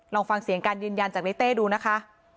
ลองฟังเสียงการยืนยันจากในเต้ดูนะคะ